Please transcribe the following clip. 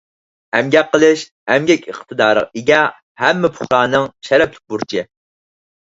ئەمگەك قىلىش — ئەمگەك ئىقتىدارىغا ئىگە ھەممە پۇقرانىڭ شەرەپلىك بۇرچى.